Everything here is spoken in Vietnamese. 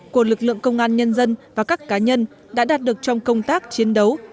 của lực lượng công an nhân dân và các cá nhân đã đạt được trong công tác chiến đấu